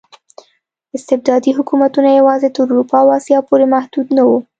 استبدادي حکومتونه یوازې تر اروپا او اسیا پورې محدود نه وو.